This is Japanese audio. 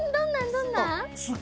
どんなん？